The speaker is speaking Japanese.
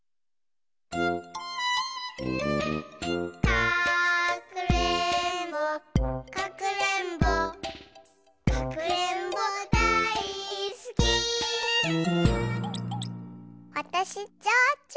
「かくれんぼかくれんぼかくれんぼだいすき」わたしちょうちょ。